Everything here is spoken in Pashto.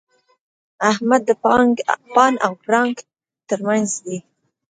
احمد د پاڼ او پړانګ تر منځ دی.